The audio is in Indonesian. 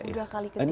udah kali ketiga juga